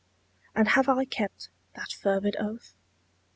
And have I kept that fervid oath?